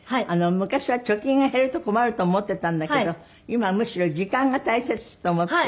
昔は貯金が減ると困ると思っていたんだけど今はむしろ時間が大切と思って。